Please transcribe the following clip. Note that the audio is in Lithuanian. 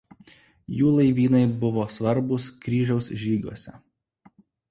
Jų laivynai buvo svarbūs Kryžiaus žygiuose.